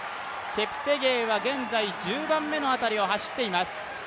チェプテゲイは現在１０番目の辺りを走っています。